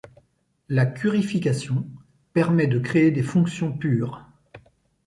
La curryfication permet de créer des fonctions pures.